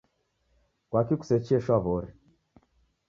Kwaki kusechie shwaw'ori?